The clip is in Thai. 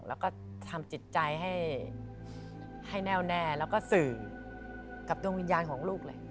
แล้วก็ทำจิตใจให้แน่วแน่แล้วก็สื่อกับดวงวิญญาณของลูกเลย